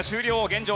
現状